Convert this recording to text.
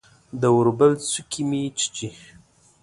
د اوربل څوکې مې چیچي